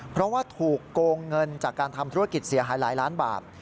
เพราะว่าถูกโกงเงินจากการทำธุรกิจเสียหายหลายล้านบาท